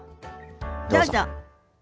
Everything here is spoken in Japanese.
どうぞ。